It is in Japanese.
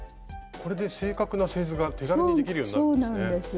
これで正確な製図が手軽にできるようになるんですね。